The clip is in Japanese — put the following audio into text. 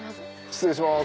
失礼します。